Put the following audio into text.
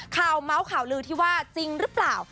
เมาส์ข่าวลือที่ว่าจริงหรือเปล่า